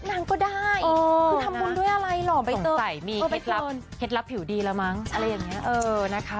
นางก็ได้คือทำบุญด้วยอะไรหล่อใบเตยมีเคล็ดลับผิวดีแล้วมั้งอะไรอย่างนี้นะคะ